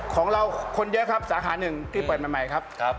ของเราคนเยอะครับสาขาหนึ่งที่เปิดใหม่ครับ